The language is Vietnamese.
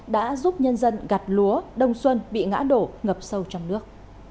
đã giúp nhân dân gặt lúa đông xuân bị ngã đổ ngập sâu trong nước